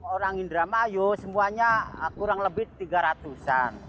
orang indramayu semuanya kurang lebih tiga ratusan